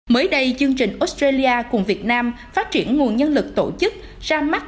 mới đây chương trình australia cùng việt nam phát triển nguồn nhân lực tổ chức ra mắt